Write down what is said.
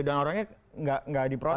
dan orangnya nggak diproses